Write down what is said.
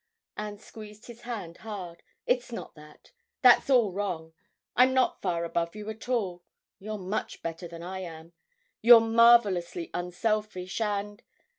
Anne squeezed his hand hard. "It's not that. That's all wrong. I'm not far above you at all. You're much better than I am. You're marvellously unselfish and...